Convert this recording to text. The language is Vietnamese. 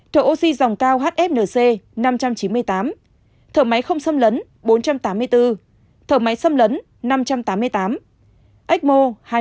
thở oxy dòng cao hfnc năm trăm chín mươi tám thở máy không xâm lấn bốn trăm tám mươi bốn thở máy xâm lấn năm trăm tám mươi tám xmo hai mươi một